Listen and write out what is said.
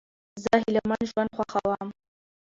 زه هیلهمن ژوند خوښوم.